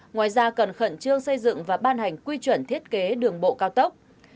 ngoài ra cần khẩn trương xây dựng và ban hành quy chuẩn thiết kế đường bộ cao tốc